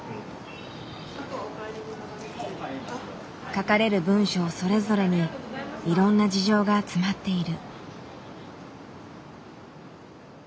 書かれる文章それぞれにいろんな事情が詰まっている。